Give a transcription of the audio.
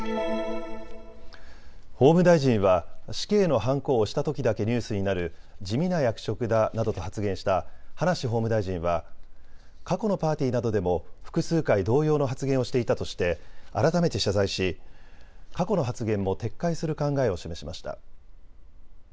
法務大臣は死刑のはんこを押したときだけニュースになる地味な役職だなどと発言した葉梨法務大臣は過去のパーティーなどでも複数回、同様の発言をしていたとして改めて謝罪し、過去の発言も撤回する考えを示しました。